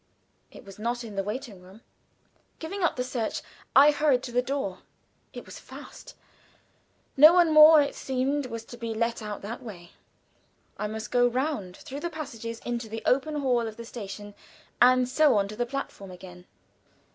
It was not in the waiting room. Giving up the search I hurried to the door: it was fast. No one more, it would seem, was to be let out that way; I must go round, through the passages into the open hall of the station, and so on to the platform again.